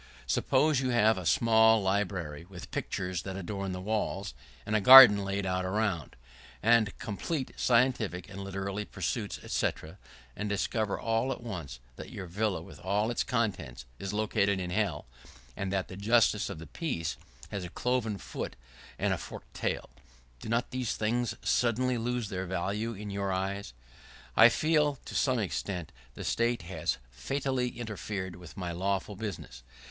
Suppose you have a small library, with pictures to adorn the walls — a garden laid out around — and contemplate scientific and literary pursuits, &c., and discover all at once that your villa, with all its contents is located in hell, and that the justice of the peace has a cloven foot and a forked tail — do not these things suddenly lose their value in your eyes? [¶46] I feel that, to some extent, the State has fatally interfered with my lawful business.